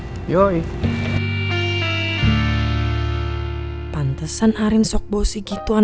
iiih mau di alemp roman tiakan kayak gini kan ada romantis romantisan